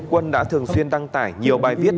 quân đã thường xuyên đăng tải nhiều bài viết